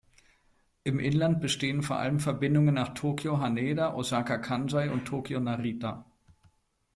Im Inland bestehen vor allem Verbindungen nach Tokio-Haneda, Osaka-Kansai und Tokio-Narita.